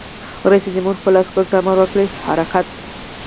رئیس جمهور خپلو عسکرو ته امر وکړ؛ حرکت!